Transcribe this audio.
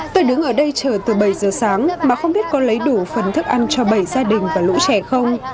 tôi đứng ở đây chờ từ bảy giờ sáng mà không biết có lấy đủ phần thức ăn cho bảy gia đình và lũ trẻ không